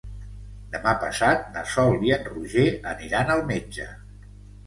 Demà passat na Sol i en Roger aniran al metge.